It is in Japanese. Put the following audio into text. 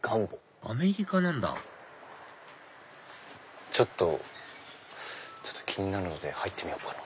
アメリカなんだちょっと気になるので入ってみようかな。